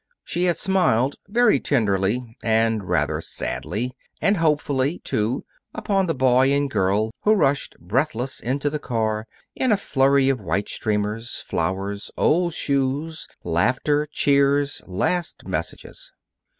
She had smiled very tenderly and rather sadly, and hopefully, too upon the boy and girl who rushed breathless into the car in a flurry of white streamers, flowers, old shoes, laughter, cheers, last messages.